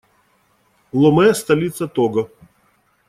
Ломе - столица Того.